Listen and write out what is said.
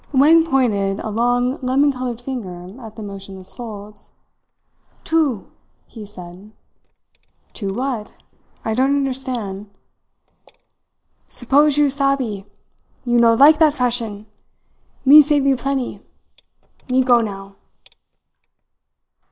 Wang pointed a long lemon coloured finger at the motionless folds. "Two," he said. "Two what? I don't understand." "Suppose you savee, you no like that fashion. Me savee plenty. Me go now."